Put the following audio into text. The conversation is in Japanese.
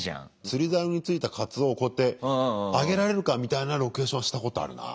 釣りざおについたカツオをこうやって上げられるかみたいなロケーションはしたことあるな。